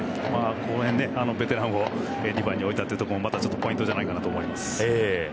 この辺でベテランを２番に置いたところもまたポイントじゃないかと思います。